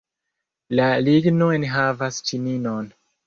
La ligno enhavas ĉininon.